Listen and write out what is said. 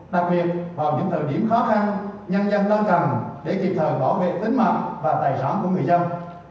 đặc biệt vào những thời điểm khó khăn nhân dân nâng tầm để kịp thời bảo vệ tính mạng và tài sản của người dân